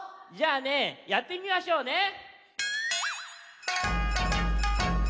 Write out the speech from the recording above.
じゃあねやってみましょうね。